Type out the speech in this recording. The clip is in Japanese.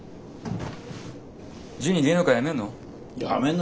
ジュニ芸能界やめんの？